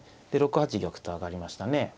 で６八玉と上がりましたね。